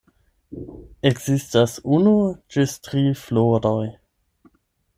Ekzistas unu ĝis tri floroj.